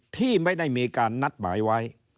ที่ไม่ได้มีการนัดหมายไว้